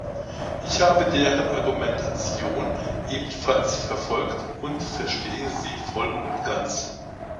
Ich habe deren Argumentation ebenfalls verfolgt und verstehe sie voll und ganz.